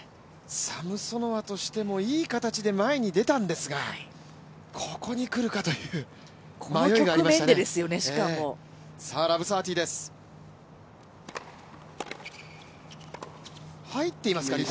サムソノワとしてもいい形で前に出たんですがここに来るかという迷いがありましたね。